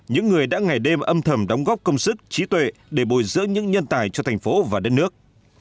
những người đã ngày đêm âm thầm đóng góp công sức trí tuệ để bồi dưỡng những nhân tài cho thành phố và đất nước